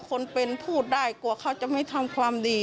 คนเป็นพูดได้กลัวเขาจะไม่ทำความดี